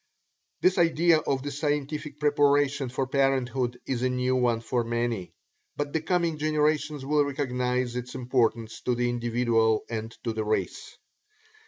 This idea of the scientific preparation for parenthood is a new one for many, but the coming generations will recognize its importance to the individual and to the race.